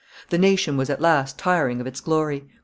The nation was at last tiring of its glory.